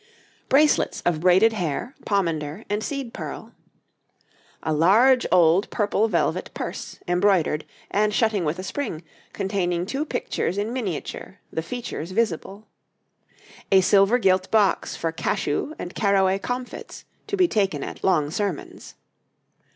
Bracelets of braided Hair, Pomander, and Seed Pearl. A large old Purple Velvet Purse, embroidered, and shutting with a spring, containing two Pictures in Miniature, the Features visible. A Silver gilt box for Cashu and Carraway Comfits to be taken at long sermons.